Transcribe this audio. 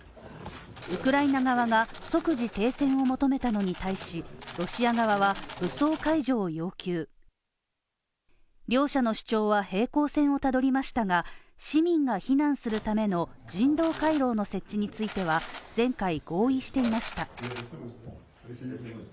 ウクライナ側が即時停戦を求めたのに対しロシア側は、武装解除を要求。両者の主張は平行線をたどりましたが市民が避難するための人道回廊の設置については前回、合意していました。